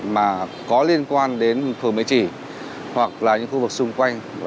mà có liên quan đến phường mỹ trì hoặc là những khu vực xung quanh